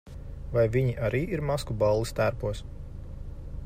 Vai viņi arī ir maskuballes tērpos?